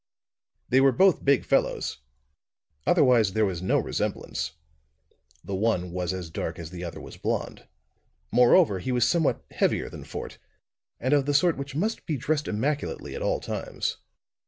They were both big fellows; otherwise there was no resemblance. The one was as dark as the other was blond; moreover, he was somewhat heavier than Fort, and of the sort which must be dressed immaculately at all times.